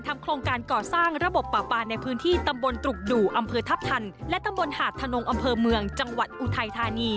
ทำโครงการก่อสร้างระบบประปาน